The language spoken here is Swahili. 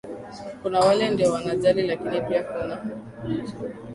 kuna wale ndio wanajali lakini pia kunaa